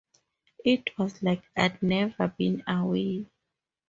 It was like I'd never been away.